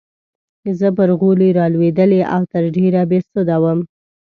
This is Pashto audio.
زه پر غولي رالوېدلې او تر ډېره بې سده وم.